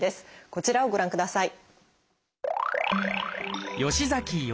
こちらをご覧ください。